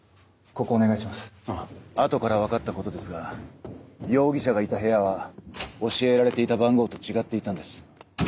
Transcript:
後から分かったことですが容疑者がいた部屋は教えられていた番号と違っていたんです。